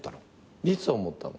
いつ思ったの？